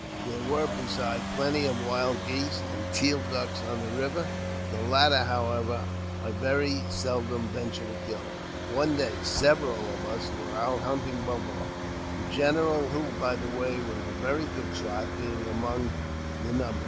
There were, besides, plenty of wild geese and teal ducks on the river — the latter, however, I very seldom ventured to kill. One day several of us were out hunting buffalo, the general, who, by the way, was a very good shot, being among the num ber.